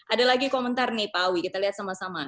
ada lagi komentar nih pak awi kita lihat sama sama